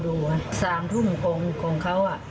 บอกหลายอย่างเลย